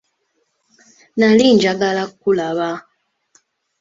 Nali njagala kulaba.